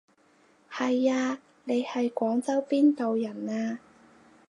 係啊，你係廣州邊度人啊？